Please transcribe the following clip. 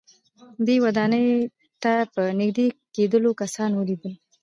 دې ودانۍ ته په نږدې کېدلو کسان وليدل.